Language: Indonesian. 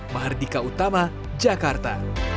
mahardika utama jakarta